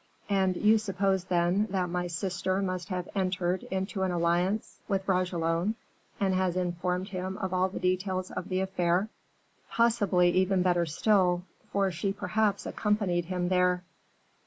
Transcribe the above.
"And you suppose, then, that my sister must have entered into an alliance with Bragelonne, and has informed him of all the details of the affair." "Possibly even better still, for she perhaps accompanied him there."